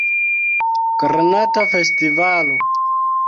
Granata Festivalo